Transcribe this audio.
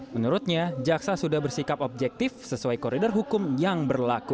menurutnya jaksa sudah bersikap objektif sesuai koridor hukum yang berlaku